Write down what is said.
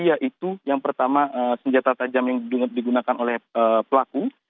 yaitu yang pertama senjata tajam yang digunakan oleh pelaku